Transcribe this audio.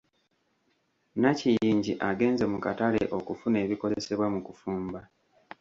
Nakiyingi agenze mu katale okufuna ebikozesebwa mu kufumba.